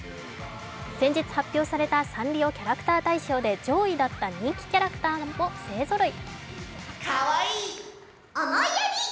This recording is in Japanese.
先日発表されたサンリオキャラクター大賞で上位だった人気キャラクターも勢ぞろい。